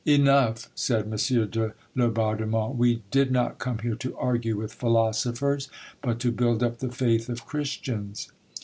"Enough!" said M. de Laubardemont; "we did not come here to argue with philosophers, but to build up the faith of Christians."